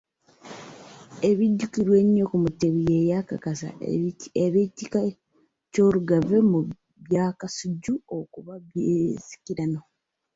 Ebijjukirwa ennyo ku Mutebi, ye yakakasa ab'ekika ky'Olugave mu Bwakasujju okuba obw'ensikirano.